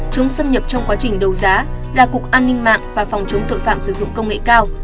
chống xâm nhập trong quá trình đấu giá là cục an ninh mạng và phòng chống tội phạm sử dụng công nghệ cao